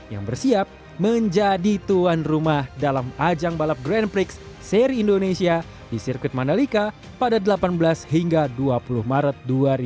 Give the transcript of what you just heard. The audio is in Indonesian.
yang bersiap menjadi tuan rumah dalam ajang balap grand prix seri indonesia di sirkuit mandalika pada delapan belas hingga dua puluh maret dua ribu dua puluh